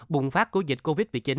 bùng phát của dịch covid một mươi chín